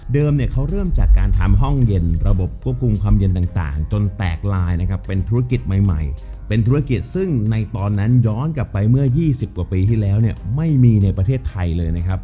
เขาเริ่มจากการทำห้องเย็นระบบควบคุมความเย็นต่างจนแตกลายนะครับเป็นธุรกิจใหม่เป็นธุรกิจซึ่งในตอนนั้นย้อนกลับไปเมื่อ๒๐กว่าปีที่แล้วเนี่ยไม่มีในประเทศไทยเลยนะครับ